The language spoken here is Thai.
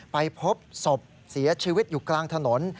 ไปพบศพเสียชีวิตอยู่กลางถนน